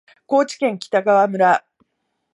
高知県北川村